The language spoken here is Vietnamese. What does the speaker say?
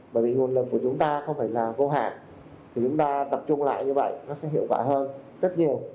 bởi vì nguồn lực của chúng ta không phải là vô hạn thì chúng ta tập trung lại như vậy nó sẽ hiệu quả hơn rất nhiều